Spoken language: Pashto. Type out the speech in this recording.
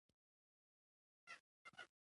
د معدې دېوال د مالګي تیزاب تولیدوي.